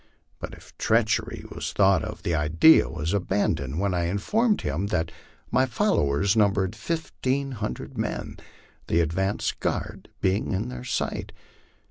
But if treachery was thought of, the idea was abandoned when I informed him that my followers numbered fifteen hundred men, the advance guard being then in sight.